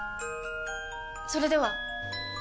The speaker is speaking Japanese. それでは！